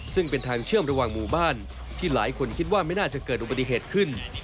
ซึ่งเป็นทางเชื่อมระหว่างหมู่บ้านที่หลายคนคิดว่าไม่น่าจะเกิดอุบัติเหตุขึ้น